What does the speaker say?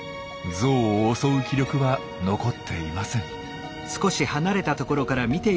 ゾウを襲う気力は残っていません。